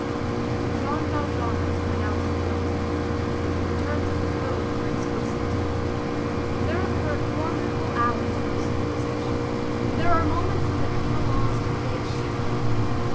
Jean Valjean was pronounced guilty. The terms of the Code were explicit. There occur formidable hours in our civilization; there are moments when the penal laws decree a shipwreck.